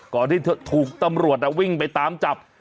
ที่เธอถูกตำรวจวิ่งไปตามจับ